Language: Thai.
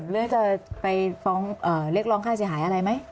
แล้วจะไปฟองเรียกร้องไฮเจให้อะไรไหม